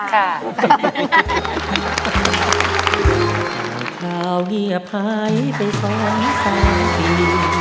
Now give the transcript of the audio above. ถ้าเฮียภายไปสองสามปี